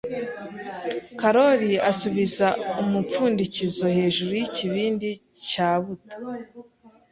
Karoli asubiza umupfundikizo hejuru yikibindi cya buto.